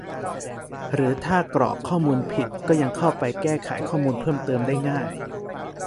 หรือถ้ากรอกข้อมูลผิดก็ยังเข้าไปแก้ไขข้อมูลเพิ่มเติมได้ง่าย